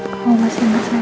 kamu masih ngerasakan